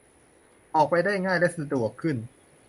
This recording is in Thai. ออกไปได้ง่ายและสะดวกขึ้น